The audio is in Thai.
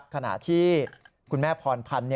ขณะที่คุณแม่พรพันธ์